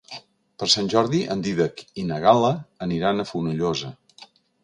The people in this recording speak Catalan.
Per Sant Jordi en Dídac i na Gal·la aniran a Fonollosa.